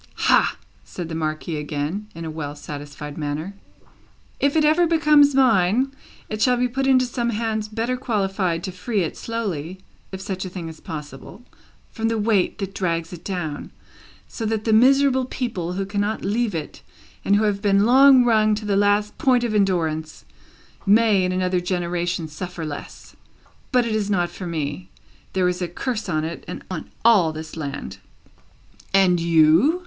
"Hah!" said the Marquis again, in a well satisfied manner. "If it ever becomes mine, it shall be put into some hands better qualified to free it slowly (if such a thing is possible) from the weight that drags it down, so that the miserable people who cannot leave it and who have been long wrung to the last point of endurance, may, in another generation, suffer less; but it is not for me. There is a curse on it, and on all this land." "And you?"